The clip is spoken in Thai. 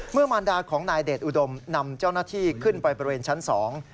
มารดาของนายเดชอุดมนำเจ้าหน้าที่ขึ้นไปบริเวณชั้นสอง